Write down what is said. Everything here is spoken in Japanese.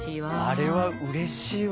あれはうれしいわ。